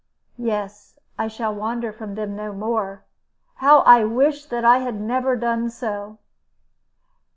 "Yes, I shall wander from them no more. How I wish that I had never done so?"